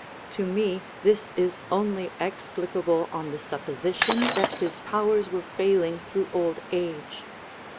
To me this is only explicable on the supposition that his powers were failing through old age.